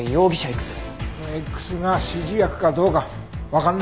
そのＸが指示役かどうかわかんないよ。